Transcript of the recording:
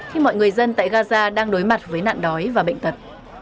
khi mọi người dân tại gaza đang đối mặt với nạn đói và bệnh tật